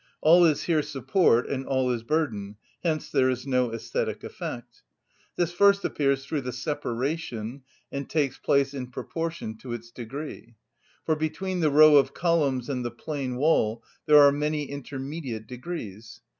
All is here support and all is burden; hence there is no æsthetic effect. This first appears through the separation, and takes place in proportion to its degree. For between the row of columns and the plain wall there are many intermediate degrees.